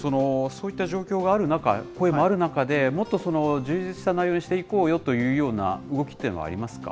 そういった状況がある中、声がある中で、もっと充実した内容にしていこうよというような動きっていうのはありますか？